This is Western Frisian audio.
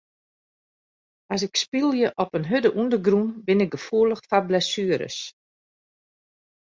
As ik spylje op in hurde ûndergrûn bin ik gefoelich foar blessueres.